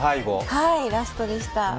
はい、ラストでした。